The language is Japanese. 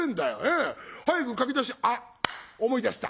早く書き出しあっ思い出した！